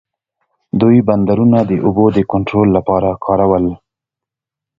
دوی بندرونه د اوبو د کنټرول لپاره کارول.